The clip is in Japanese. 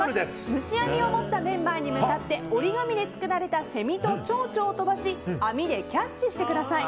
虫網を持ったメンバーに向かって折り紙で作られたセミとチョウチョを飛ばし網でキャッチしてください。